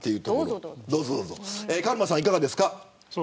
カルマさんはいかがですか。